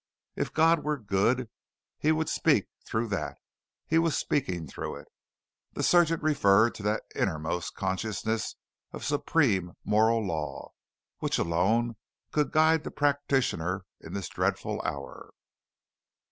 If God were good, He would speak through that He was speaking through it. This surgeon referred to that inmost consciousness of supreme moral law, which alone could guide the practitioner in this dreadful hour.